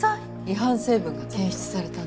違反成分が検出されたんです。